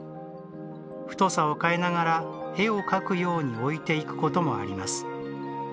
太さを変えながら絵を描くように置いていくこともあります。